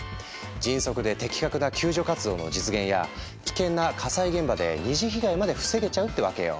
迅速で的確な救助活動の実現や危険な火災現場で二次被害まで防げちゃうってわけよ。